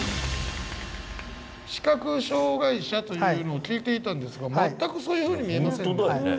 視覚障害者というのを聞いていたんですが全くそういうふうに見えませんね。